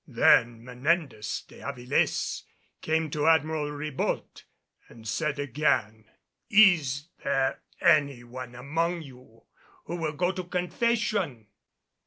Then Menendez de Avilés came to Admiral Ribault and said again, "Is there any one among you who will go to confession?"